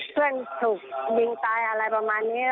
เพื่อนถูกยิงตายอะไรประมาณนี้